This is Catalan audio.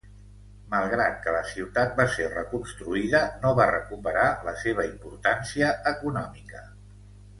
Malgrat que la ciutat va ser reconstruïda no va recuperar la seva importància econòmica.